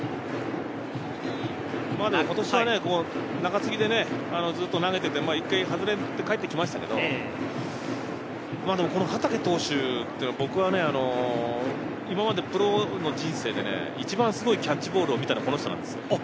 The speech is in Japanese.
今年は中継ぎでずっと投げていて、一回外れてかえってきましたけど、畠投手は、僕は今まで、プロの人生で一番すごいキャッチボールを見たのはこの人なんです。